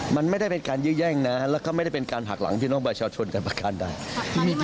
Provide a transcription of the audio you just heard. มันไม่ได้เป็นการยื้อแย่งนะแล้วก็ไม่ได้เป็นการหักหลังพี่น้องประชาชนจะประการใด